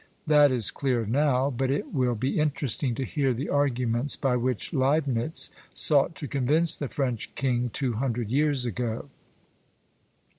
That is clear now; but it will be interesting to hear the arguments by which Leibnitz sought to convince the French king two hundred years ago.